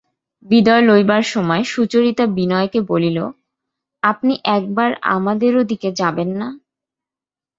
বিদায় লইবার সময় সুচরিতা বিনয়কে বলিল, আপনি একবার আমাদের ও দিকে যাবেন না?